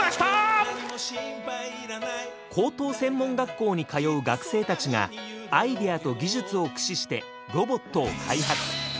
高等専門学校に通う学生たちがアイデアと技術を駆使してロボットを開発。